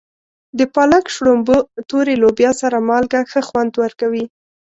د پالک، شړومبو، تورې لوبیا سره مالګه ښه خوند ورکوي.